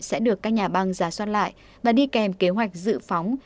sẽ được các nhà bang giá soát lại và đi kèm kế hoạch dự phóng